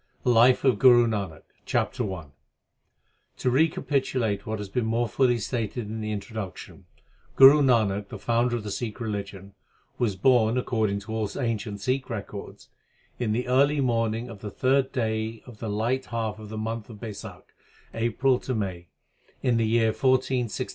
I LIFE OF GURU NANAK CHAPTER I To recapitulate what has been more fully stated in the Introduction, Guru Nanak. the founder of the Sjkh religion, was born, according to all ancient Sikh rprords. in the early morningjpf the third day oL th light half of thp month of Raisakh (April May) in the__ySr_ AiD.